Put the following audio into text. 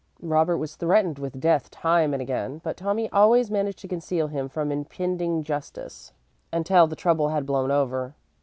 Robert was threatened with death time and again, but Tommy always managed to conceal him from impending justice until the trouble had blown over.